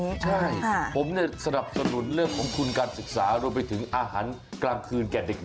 ใช่ผมสนับสนุนเรื่องของทุนการศึกษารวมไปถึงอาหารกลางคืนแก่เด็ก